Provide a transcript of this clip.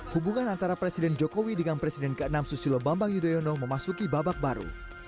hubungan antara presiden jokowi dengan presiden ke enam susilo bambang yudhoyono memasuki babak baru